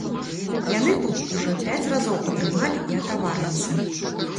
Яны тут ужо пяць разоў атрымалі і атаварыліся.